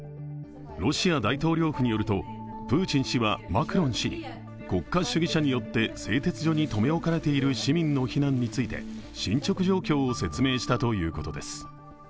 ロシア大統領府によると、プーチン氏はマクロン氏に国家主義者によって製鉄所に留め置かれている市民の避難について進捗状況を説明したということです。